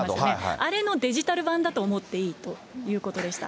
あれのデジタル版だと思っていいということでした。